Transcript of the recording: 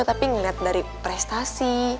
tapi ngeliat dari prestasi